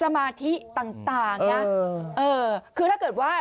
เออคือถ้าเกิดว่า